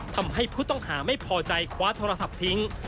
ทำให้ผู้ต้องหาไม่พอใจคว้าโทรศัพท์ทิ้ง